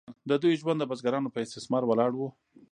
د دوی ژوند د بزګرانو په استثمار ولاړ و.